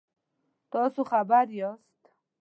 تاسو خبر یاست؟